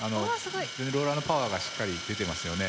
ローラーのパワーがしっかり出てますよね。